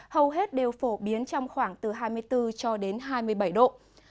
hầu hết đều phổ biến trong khoảng từ hai mươi bốn cho đến hai mươi bảy độ